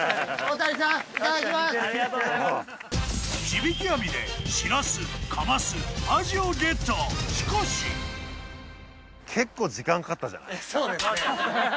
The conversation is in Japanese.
地引網でしらすカマスアジをゲットしかし結構時間かかったじゃないそうですね